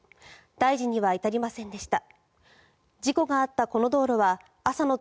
大事には至りませんでした。